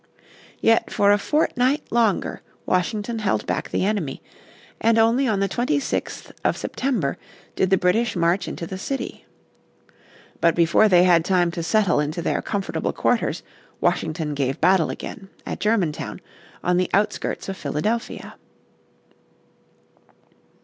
Yet for a fortnight longer Washington held back the enemy, and only on the 26th of September did the British march into the city. But before they had time to settle into their comfortable quarters Washington gave battle again, at Germantown, on the outskirts of Philadelphia.